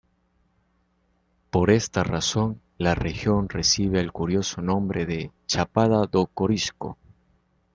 Por esta razón, la región recibe el curioso nombre de "Chapada do Corisco".